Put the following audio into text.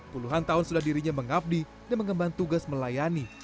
puluhan tahun sudah dirinya mengabdi dan mengemban tugas melayani